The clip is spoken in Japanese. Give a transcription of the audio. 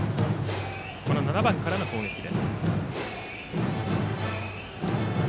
この７番からの攻撃です。